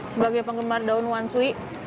sebagai penggemar daun wanshui